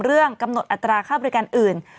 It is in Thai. กำหนดอัตราค่าบริการอื่น